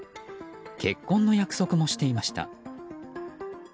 結婚の約束もしていました。